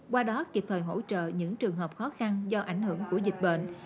qua đó kịp thời hỗ trợ những trường hợp khó khăn do ảnh hưởng của dịch bệnh